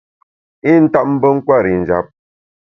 I ntap mbe nkwer i njap.